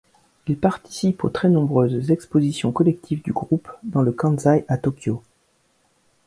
Il participe aux très nombreuses expositions collectives du groupe, dans le Kansai à Tokyo.